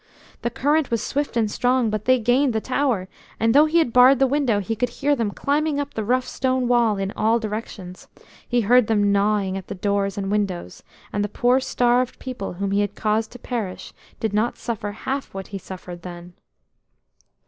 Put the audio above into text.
The current was swift and strong, but they gained the tower, and though he had barred the window he could hear them climbing up the rough stone wall in all directions. He heard them gnawing at the doors and windows; and the poor starved people whom he had caused to perish did not suffer half what he suffered then.